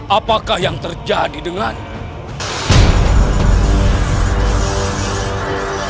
apakah yang terjadi denganmu